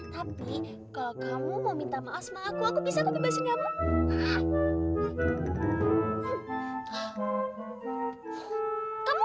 tapi kalau kamu mau minta maaf sama aku aku bisa kebebasan kamu